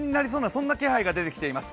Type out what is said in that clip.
そんな気配が出てきています。